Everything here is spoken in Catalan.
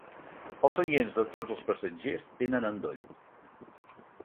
Els seients de tots els passatgers tenen endoll.